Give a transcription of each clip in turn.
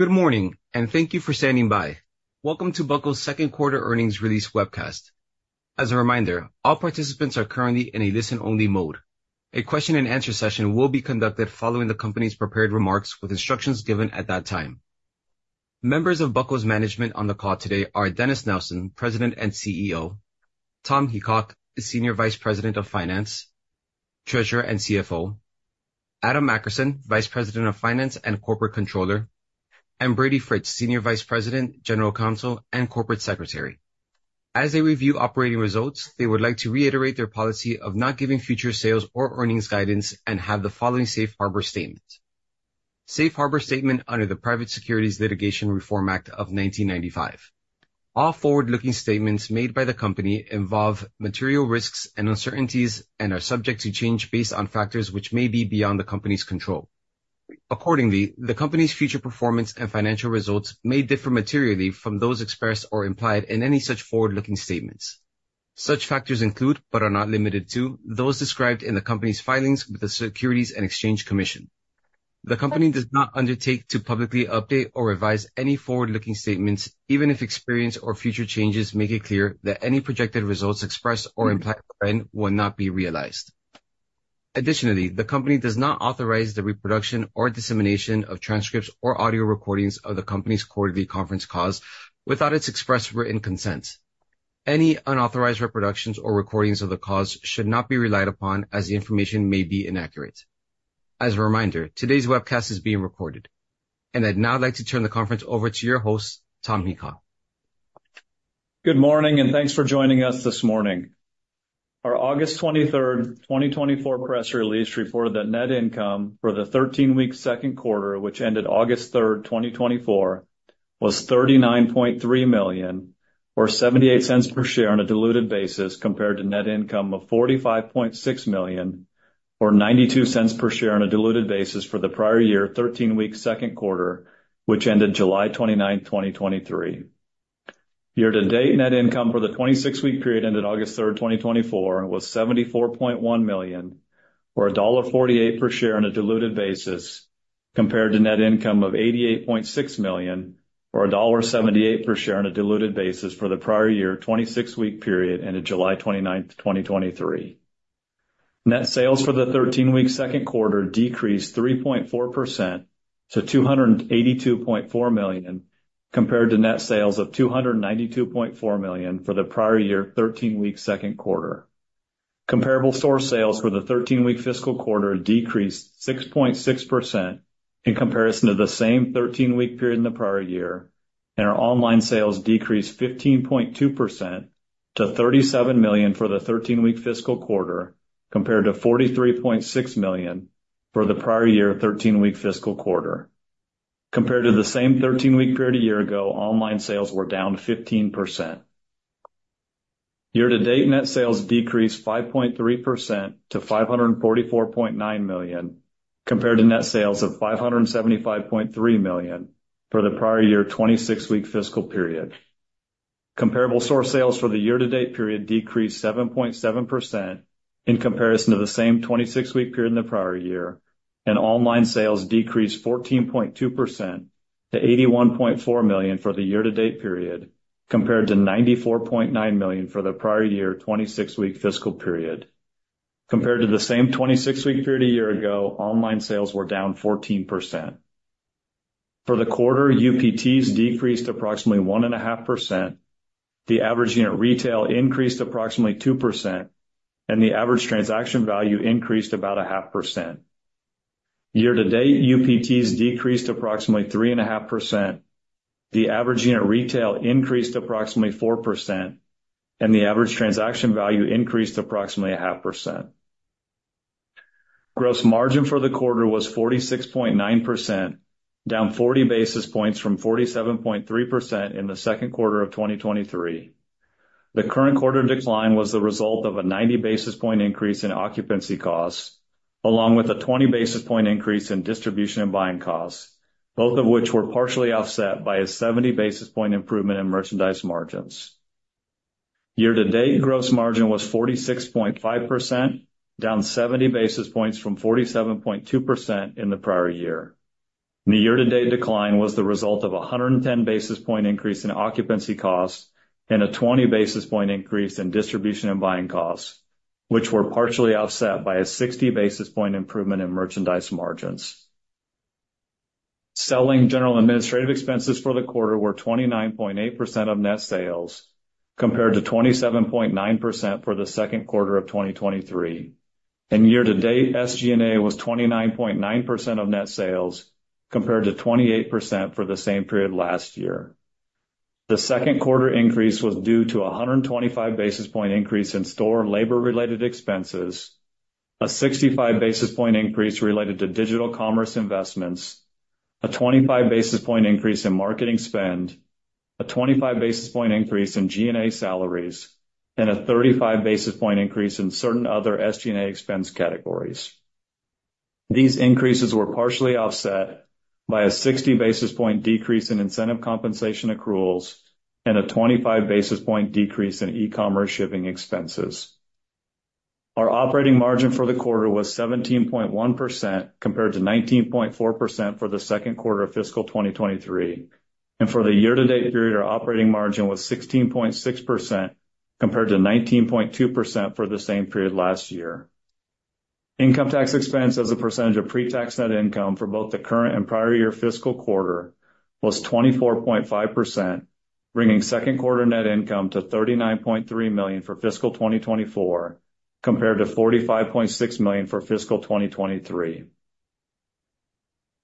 Good morning, and thank you for standing by. Welcome to Buckle's second quarter earnings release webcast. As a reminder, all participants are currently in a listen-only mode. A question-and-answer session will be conducted following the company's prepared remarks, with instructions given at that time. Members of Buckle's management on the call today are Dennis Nelson, President and CEO; Tom Heacock, Senior Vice President of Finance, Treasurer, and CFO; Adam Akerson, Vice President of Finance and Corporate Controller; and Brady Fritz, Senior Vice President, General Counsel, and Corporate Secretary. As they review operating results, they would like to reiterate their policy of not giving future sales or earnings guidance and have the following safe harbor statement. Safe harbor statement under the Private Securities Litigation Reform Act of 1995. All forward-looking statements made by the company involve material risks and uncertainties and are subject to change based on factors which may be beyond the company's control. Accordingly, the company's future performance and financial results may differ materially from those expressed or implied in any such forward-looking statements. Such factors include, but are not limited to, those described in the company's filings with the Securities and Exchange Commission. The company does not undertake to publicly update or revise any forward-looking statements, even if experience or future changes make it clear that any projected results expressed or implied therein will not be realized. Additionally, the company does not authorize the reproduction or dissemination of transcripts or audio recordings of the company's quarterly conference calls without its express written consent. Any unauthorized reproductions or recordings of the calls should not be relied upon, as the information may be inaccurate. As a reminder, today's webcast is being recorded, and I'd now like to turn the conference over to your host, Tom Heacock. Good morning, and thanks for joining us this morning. Our August twenty-third, 2024 press release reported that net income for the thirteen-week second quarter, which ended August third, 2024, was $39.3 million, or $0.78 per share on a diluted basis, compared to net income of $45.6 million, or $0.92 per share on a diluted basis for the prior year, thirteen-week second quarter, which ended July twenty-ninth, 2023. Year-to-date net income for the 26 week period ended August third, 2024, was $74.1 million, or $1.48 per share on a diluted basis, compared to net income of $88.6 million or $1.78 per share on a diluted basis for the prior year, 26 week period ended July 29, 2023. Net sales for the 13-week second quarter decreased 3.4% to $282.4 million, compared to net sales of $292.4 million for the prior year, 13-week second quarter. Comparable store sales for the 13-week fiscal quarter decreased 6.6% in comparison to the same 13-week period in the prior year, and our online sales decreased 15.2% to $37 million for the 13-week fiscal quarter, compared to $43.6 million for the prior year, 13-week fiscal quarter. Compared to the same 13-week period a year ago, online sales were down 15%. Year-to-date net sales decreased 5.3% to $544.9 million, compared to net sales of $575.3 million for the prior year 26-week fiscal period. Comparable store sales for the year-to-date period decreased 7.7% in comparison to the same 26-week period in the prior year, and online sales decreased 14.2% to $81.4 million for the year-to-date period, compared to $94.9 million for the prior year, 26-week fiscal period. Compared to the same 26-week period a year ago, online sales were down 14%. For the quarter, UPTs decreased approximately 1.5%. The average unit retail increased approximately 2%, and the average transaction value increased about 0.5%. Year-to-date UPTs decreased approximately 3.5%. The average unit retail increased approximately 4%, and the average transaction value increased approximately 0.5%. Gross margin for the quarter was 46.9%, down 40 basis points from 47.3% in the second quarter of 2023. The current quarter decline was the result of a 90 basis point increase in occupancy costs, along with a 20 basis point increase in distribution and buying costs, both of which were partially offset by a 70 basis point improvement in merchandise margins. Year-to-date gross margin was 46.5%, down 70 basis points from 47.2% in the prior year. The year-to-date decline was the result of a 110 basis point increase in occupancy costs and a 20 basis point increase in distribution and buying costs, which were partially offset by a 60 basis point improvement in merchandise margins. general, and administrative expenses for the quarter were 29.8% of net sales, compared to 27.9% for the second quarter of 2023, and year to date, SG&A was 29.9% of net sales, compared to 28% for the same period last year. The second quarter increase was due to a 125 basis point increase in store labor-related expenses, a 65 basis point increase related to digital commerce investments, a 25 basis point increase in marketing spend, a 25 basis point increase in G&A salaries, and a 35 basis point increase in certain other SG&A expense categories. These increases were partially offset by a 60 basis points decrease in incentive compensation accruals and a 25 basis points decrease in e-commerce shipping expenses. Our operating margin for the quarter was 17.1%, compared to 19.4% for the second quarter of fiscal 2023. For the year-to-date period, our operating margin was 16.6%, compared to 19.2% for the same period last year. Income tax expense as a percentage of pre-tax net income for both the current and prior year fiscal quarter was 24.5%, bringing second quarter net income to $39.3 million for fiscal 2024, compared to $45.6 million for fiscal 2023.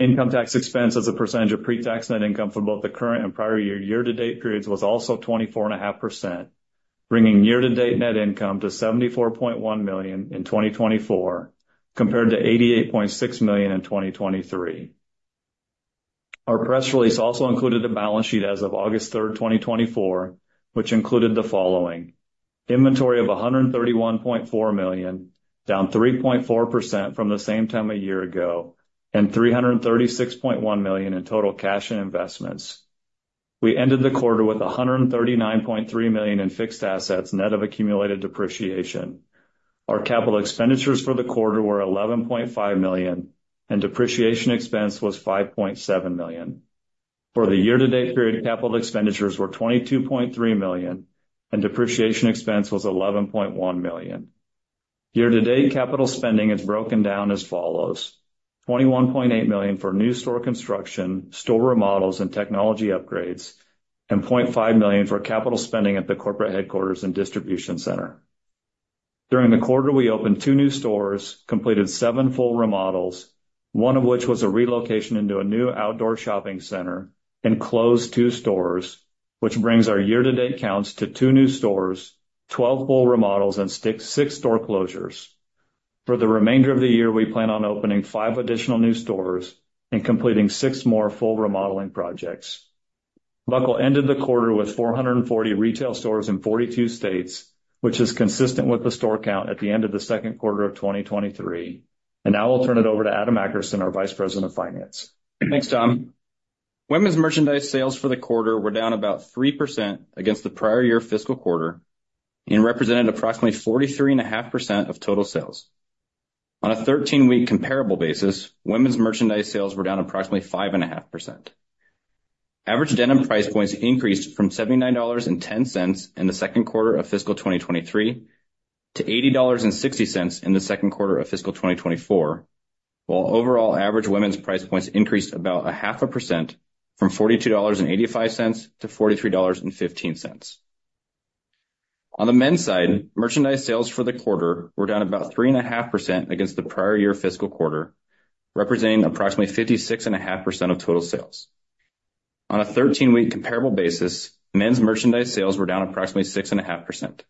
Income tax expense as a percentage of pre-tax net income for both the current and prior year, year-to-date periods, was also 24.5%, bringing year-to-date net income to $74.1 million in 2024, compared to $88.6 million in 2023. Our press release also included a balance sheet as of August 3, 2024, which included the following: inventory of $131.4 million, down 3.4% from the same time a year ago, and $336.1 million in total cash and investments. We ended the quarter with $139.3 million in fixed assets, net of accumulated depreciation. Our capital expenditures for the quarter were $11.5 million, and depreciation expense was $5.7 million. For the year-to-date period, capital expenditures were $22.3 million, and depreciation expense was $11.1 million. Year-to-date capital spending is broken down as follows: $21.8 million for new store construction, store remodels, and technology upgrades, and $0.5 million for capital spending at the corporate headquarters and distribution center. During the quarter, we opened two new stores, completed seven full remodels, one of which was a relocation into a new outdoor shopping center, and closed two stores, which brings our year-to-date counts to two new stores, 12 full remodels, and six store closures. For the remainder of the year, we plan on opening five additional new stores and completing six more full remodeling projects. Buckle ended the quarter with 440 retail stores in 42 states, which is consistent with the store count at the end of the second quarter of 2023. Now I'll turn it over to Adam Akerson, our Vice President of Finance. Thanks, Tom. Women's merchandise sales for the quarter were down about 3% against the prior year fiscal quarter and represented approximately 43.5% of total sales. On a 13-week comparable basis, women's merchandise sales were down approximately 5.5%. Average denim price points increased from $79.10 in the second quarter of fiscal 2023 to $80.60 in the second quarter of fiscal 2024, while overall average women's price points increased about 0.5% from $42.85 to $43.15. On the men's side, merchandise sales for the quarter were down about 3.5% against the prior year fiscal quarter, representing approximately 56.5% of total sales. On a thirteen-week comparable basis, men's merchandise sales were down approximately 6.5%.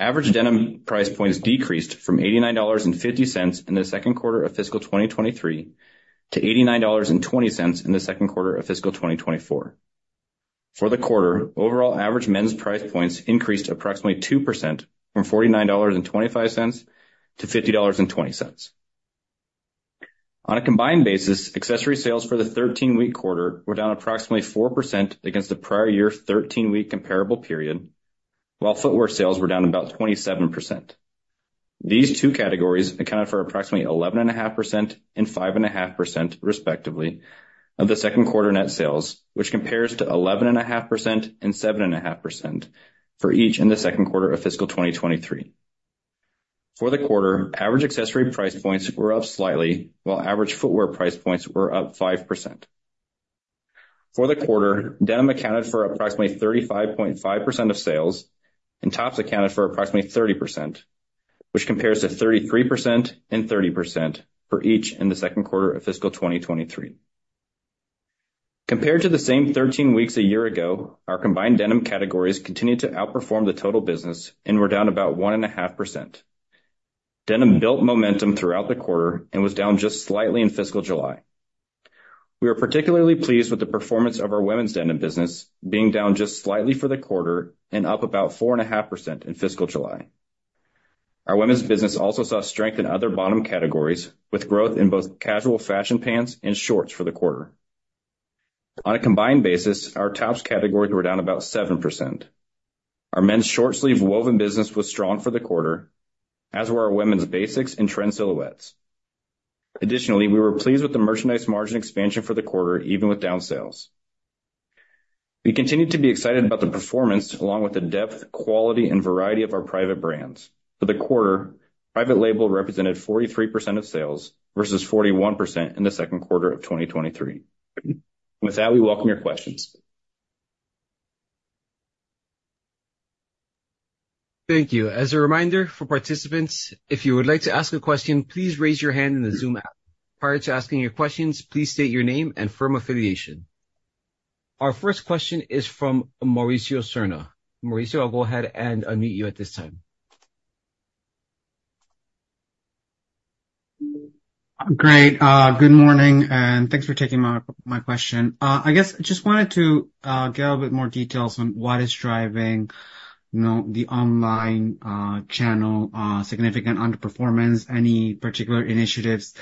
Average denim price points decreased from $89.50 in the second quarter of fiscal 2023 to $89.20 in the second quarter of fiscal 2024. For the quarter, overall average men's price points increased approximately 2% from $49.25 to $50.20. On a combined basis, accessory sales for the thirteen-week quarter were down approximately 4% against the prior year thirteen-week comparable period, while footwear sales were down about 27%. These two categories accounted for approximately 11.5% and 5.5%, respectively, of the second quarter net sales, which compares to 11.5% and 7.5% for each in the second quarter of fiscal 2023. For the quarter, average accessory price points were up slightly, while average footwear price points were up 5%. For the quarter, denim accounted for approximately 35.5% of sales, and tops accounted for approximately 30%, which compares to 33% and 30% for each in the second quarter of fiscal 2023. Compared to the same 13 weeks a year ago, our combined denim categories continued to outperform the total business and were down about 1.5%. Denim built momentum throughout the quarter and was down just slightly in fiscal July. We are particularly pleased with the performance of our women's denim business being down just slightly for the quarter and up about 4.5% in fiscal July. Our women's business also saw strength in other bottom categories, with growth in both casual fashion pants and shorts for the quarter. On a combined basis, our tops categories were down about 7%. Our men's short-sleeved woven business was strong for the quarter, as were our women's basics and trend silhouettes. Additionally, we were pleased with the merchandise margin expansion for the quarter, even with down sales. We continue to be excited about the performance, along with the depth, quality, and variety of our private brands. For the quarter, private label represented 43% of sales versus 41% in the second quarter of 2023. With that, we welcome your questions. Thank you. As a reminder for participants, if you would like to ask a question, please raise your hand in the Zoom app. Prior to asking your questions, please state your name and firm affiliation. Our first question is from Mauricio Serna. Mauricio, I'll go ahead and unmute you at this time. Great. Good morning, and thanks for taking my question. I guess, just wanted to get a little bit more details on what is driving, you know, the online channel significant underperformance, any particular initiatives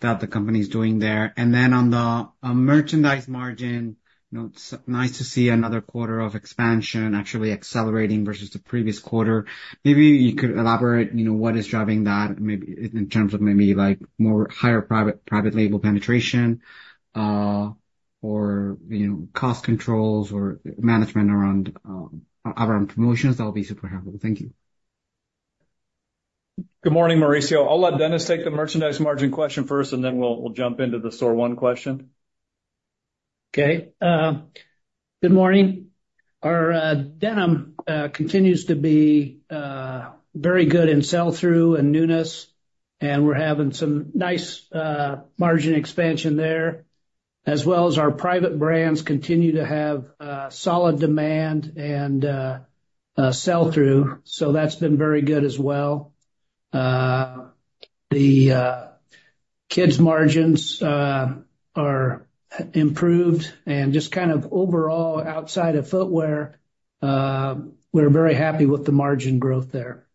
that the company is doing there? And then on the merchandise margin, you know, it's nice to see another quarter of expansion actually accelerating versus the previous quarter. Maybe you could elaborate, you know, what is driving that, maybe in terms of maybe, like, more higher private label penetration, or, you know, cost controls or management around promotions, that would be super helpful. Thank you.... Good morning, Mauricio. I'll let Dennis take the merchandise margin question first, and then we'll jump into the Store One question. Okay, good morning. Our denim continues to be very good in sell-through and newness, and we're having some nice margin expansion there, as well as our private brands continue to have solid demand and sell-through. So that's been very good as well. The kids' margins are improved, and just kind of overall, outside of footwear, we're very happy with the margin growth there.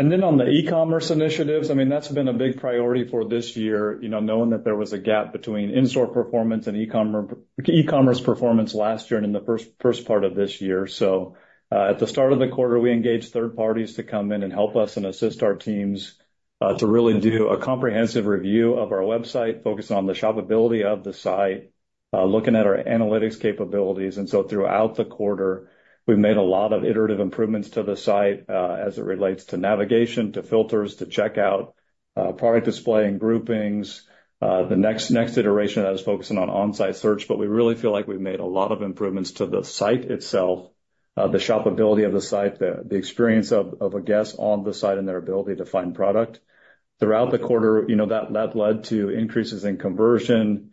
And then on the e-commerce initiatives, I mean, that's been a big priority for this year, you know, knowing that there was a gap between in-store performance and e-commerce, e-commerce performance last year and in the first part of this year. So, at the start of the quarter, we engaged third parties to come in and help us and assist our teams, to really do a comprehensive review of our website, focus on the shoppability of the site, looking at our analytics capabilities. And so throughout the quarter, we've made a lot of iterative improvements to the site, as it relates to navigation, to filters, to checkout, product display and groupings. The next iteration of that is focusing on on-site search, but we really feel like we've made a lot of improvements to the site itself, the shoppability of the site, the experience of a guest on the site and their ability to find product. Throughout the quarter, you know, that led to increases in conversion,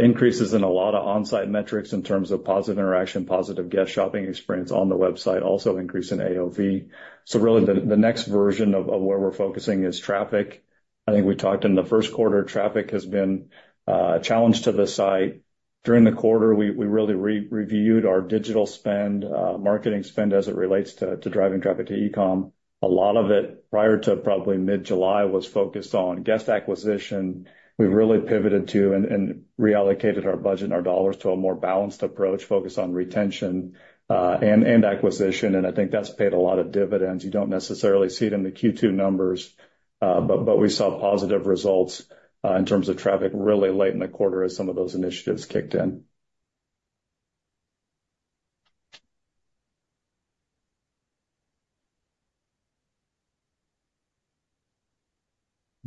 increases in a lot of on-site metrics in terms of positive interaction, positive guest shopping experience on the website, also increase in AOV. So really, the next version of where we're focusing is traffic. I think we talked in the first quarter, traffic has been a challenge to the site. During the quarter, we really re-reviewed our digital spend, marketing spend as it relates to driving traffic to e-com. A lot of it, prior to probably mid-July, was focused on guest acquisition. We've really pivoted to and reallocated our budget and our dollars to a more balanced approach, focused on retention and acquisition. And I think that's paid a lot of dividends. You don't necessarily see it in the Q2 numbers, but we saw positive results in terms of traffic really late in the quarter as some of those initiatives kicked in.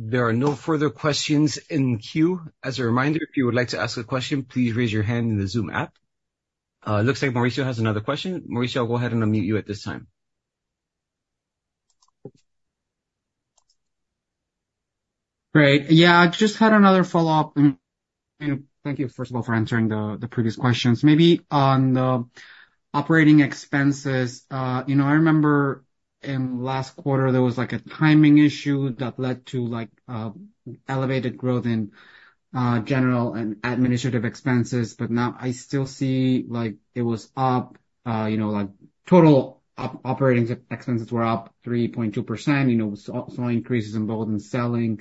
There are no further questions in the queue. As a reminder, if you would like to ask a question, please raise your hand in the Zoom app. It looks like Mauricio has another question. Mauricio, I'll go ahead and unmute you at this time. Great. Yeah, I just had another follow-up, and thank you, first of all, for answering the previous questions. Maybe on the operating expenses, you know, I remember in last quarter, there was, like, a timing issue that led to, like, elevated growth in general and administrative expenses, but now I still see, like, it was up, you know, like, total operating expenses were up 3.2%. You know, saw increases in both selling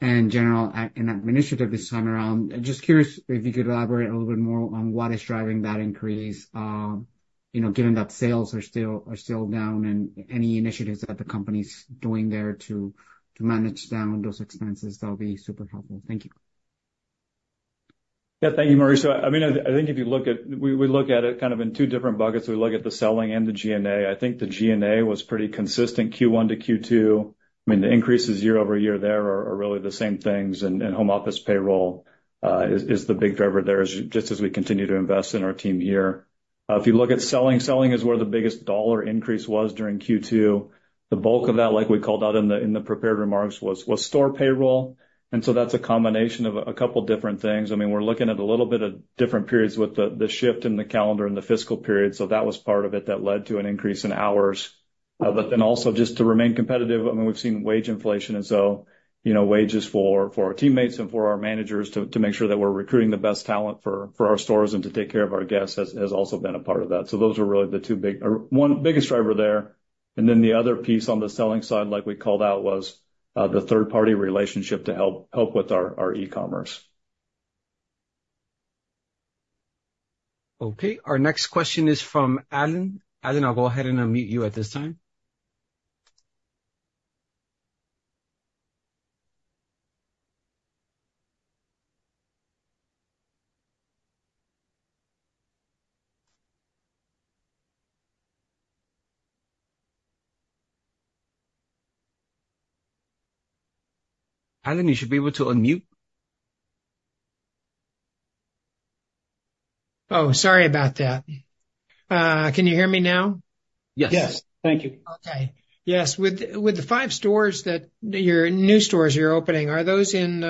and general and administrative this time around. Just curious if you could elaborate a little bit more on what is driving that increase, you know, given that sales are still down, and any initiatives that the company's doing there to manage down those expenses, that'll be super helpful. Thank you. Yeah. Thank you, Mauricio. I mean, I think if you look at, we look at it kind of in two different buckets. We look at the selling and the SG&A. I think the SG&A was pretty consistent, Q1 to Q2. I mean, the increases year-over-year there are really the same things, and home office payroll is the big driver there, just as we continue to invest in our team here. If you look at selling, selling is where the biggest dollar increase was during Q2. The bulk of that, like we called out in the prepared remarks, was store payroll. And so that's a combination of a couple different things. I mean, we're looking at a little bit of different periods with the shift in the calendar and the fiscal period, so that was part of it that led to an increase in hours. But then also just to remain competitive, I mean, we've seen wage inflation and so, you know, wages for our teammates and for our managers to make sure that we're recruiting the best talent for our stores and to take care of our guests has also been a part of that. So those are really the two big... Or one biggest driver there, and then the other piece on the selling side, like we called out, was the third-party relationship to help with our e-commerce. Okay. Our next question is from Alan. Alan, I'll go ahead and unmute you at this time. Alan, you should be able to unmute. Oh, sorry about that. Can you hear me now? Yes. Yes. Thank you. Okay. Yes. With the five stores you're opening, your new stores, are those in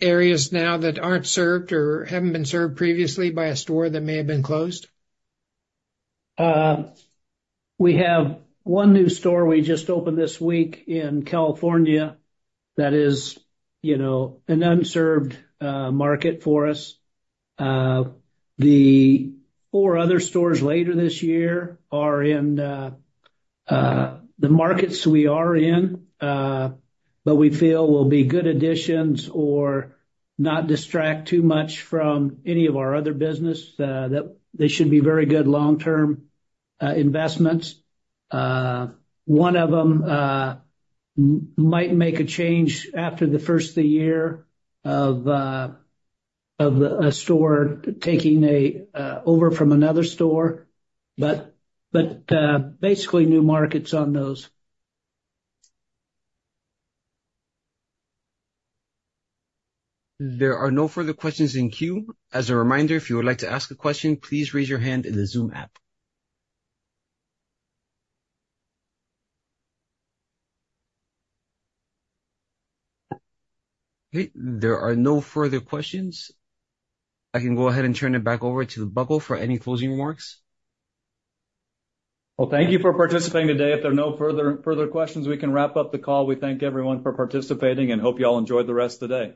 areas now that aren't served or haven't been served previously by a store that may have been closed? We have one new store we just opened this week in California that is, you know, an unserved market for us. The four other stores later this year are in the markets we are in, but we feel will be good additions or not distract too much from any of our other business. That they should be very good long-term investments. One of them might make a change after the first of the year of a store taking over from another store, but basically new markets on those. There are no further questions in queue. As a reminder, if you would like to ask a question, please raise your hand in the Zoom app. Okay, there are no further questions. I can go ahead and turn it back over to the Buckle for any closing remarks. Thank you for participating today. If there are no further questions, we can wrap up the call. We thank everyone for participating and hope you all enjoy the rest of the day.